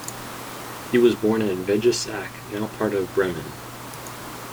He was born at Vegesack, now part of Bremen.